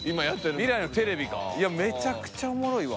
めちゃくちゃおもろいわ。